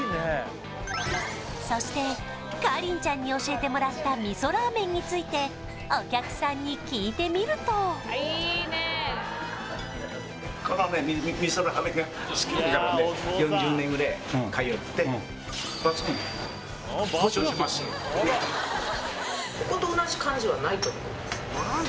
そして珂凛ちゃんに教えてもらった味噌ラーメンについてお客さんに聞いてみるとと思います